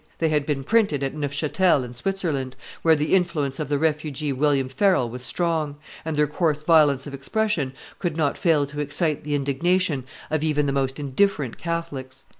They had been printed at Neufchatel, in Switzerland, where the influence of the refugee William Farel was strong, and their coarse violence of expression could not fail to excite the indignation of even the most indifferent Catholics.